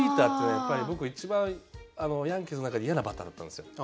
やっぱり僕一番ヤンキースの中で嫌なバッターだったんですよ。